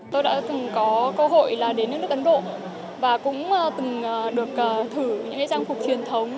tôi đã từng có cơ hội là đến nước ấn độ và cũng từng được thử những trang phục truyền thống